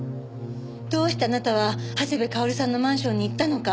どうしてあなたは長谷部薫さんのマンションに行ったのか。